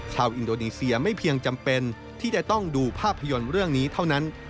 อินโดนีเซียไม่เพียงจำเป็นที่จะต้องดูภาพยนตร์เรื่องนี้เท่านั้น